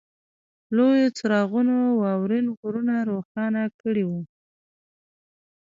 لویو څراغونو واورین غرونه روښانه کړي وو